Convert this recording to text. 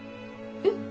えっ？